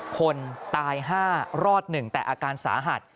คนตาย๕รอด๑แต่อาการสาหัส